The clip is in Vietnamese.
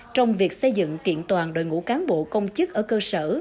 trong việc xây dựng kiện toàn đội ngũ cán bộ công chức ở cơ sở